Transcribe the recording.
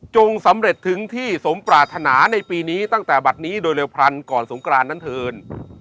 สำเร็จถึงที่สมปรารถนาในปีนี้ตั้งแต่บัตรนี้โดยเร็วพรรณก่อนสงกรานนั้นเถิน